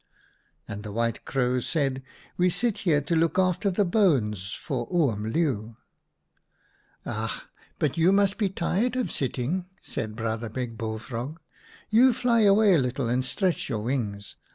'" And the White Crows said :' We sit here to look after the bones for Oom Leeuw.' "' Ach, but you must be tired of sitting !' said Brother Big Bullfrog, ' You fly away a little and stretch your wings.